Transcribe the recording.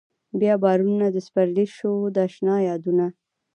بيا بارانونه د سپرلي شو د اشنا يادونه